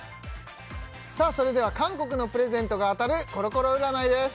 それでは韓国のプレゼントが当たるコロコロ占いです